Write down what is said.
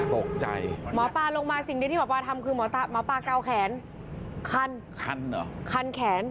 ตกใจหมอปลาลงมาสิ่งเดียวที่หมอปลาทำคือหมอปลาเกาแขนคันคันเหรอคันแขน